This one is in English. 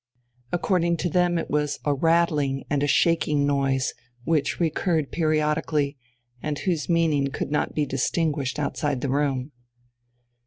According to them it was a rattling and a shaking noise, which recurred periodically, and whose meaning could not be distinguished outside the room.